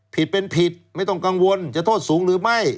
ผิดเป็นผิดไม่ต้องกังวลจะโทษสูงหรือไม่